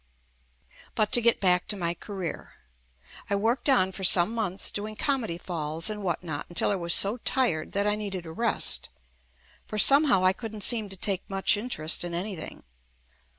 But to get back to my career. I worked on for some months doing comedy falls and what not until I was so tired that I needed a rest, for somehow I couldn't seem to take much in terest in anything.